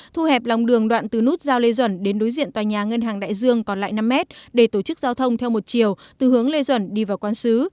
thu hẹp lòng đường đoạn từ nút giao lê duẩn đến đối diện tòa nhà ngân hàng đại dương còn lại năm mét để tổ chức giao thông theo một chiều từ hướng lê duẩn đi vào quán xứ